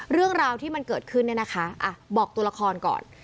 เรื่องราวที่มันเกิดขึ้นเนี่ยนะคะบอกตัวละครก่อน